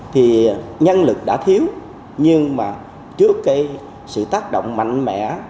thì nhân lực đã thiếu nhưng mà trước cái sự tác động mạnh mẽ